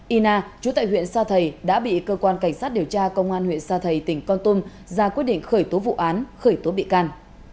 y na chú tại huyện sa thầy đã bị cơ quan cảnh sát điều tra công an huyện sa thầy tỉnh con tum ra quyết định khởi tố vụ án khởi tố bị can